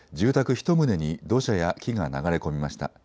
１棟に土砂や木が流れ込みました。